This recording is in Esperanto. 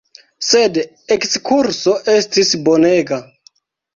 Sed ekskurso estis bonega.